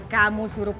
kamu suruh pak